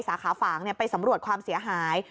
สาขาฝางไปสำรวจความเสียหาย